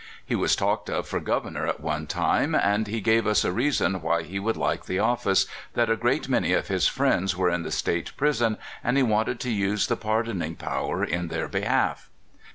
He was talked of for Governor at one time, and he gave as a reason why he would like the office that *^ a great many of his friends were in the State prison, and he wanted to use the pardoning power in their be half."